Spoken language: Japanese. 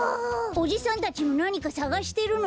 おじさんたちもなにかさがしてるの？